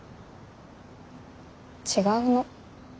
違うの。